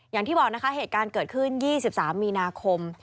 อย่างที่บอกนะคะเหตุการณ์เกิดขึ้น๒๓มีนาคม